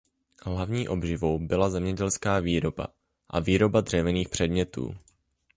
Hlavní obživou byla zemědělská výroba a výroba dřevěných předmětů.